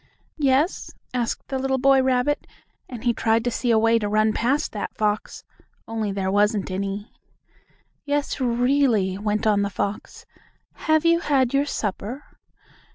"Yes?" asked the little boy rabbit, and he tried to see a way to run past that fox, only there wasn't any. "Yes, really," went on the fox. "Have you had your supper?"